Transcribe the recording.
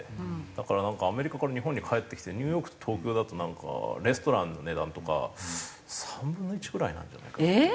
だからなんかアメリカから日本に帰ってきてニューヨークと東京だとなんかレストランの値段とか３分の１くらいなんじゃないか。ええー！